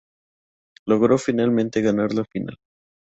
Logró finalmente ganar la final.